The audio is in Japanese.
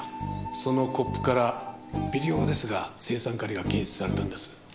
そのコップから微量ですが青酸カリが検出されたんです。